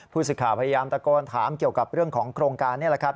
ผู้สื่อข่าวพยายามตะโกนถามเกี่ยวกับเรื่องของโครงการนี่แหละครับ